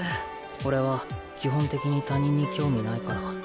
俺は基本的に他人に興味ないから。